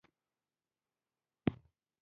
عادي بزګران د خوراک لټونکو پرتله ډېر ستړي وو.